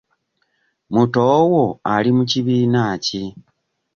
Muto wo ali mu kibiina ki?